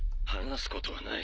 話すことはない。